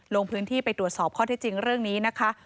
ลงพื้นที่ไปตรวจสอบข้อที่จริงเรื่องนี้นะคะ